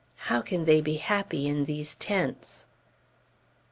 how can they be happy in these tents?